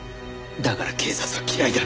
だから警察は嫌いだ。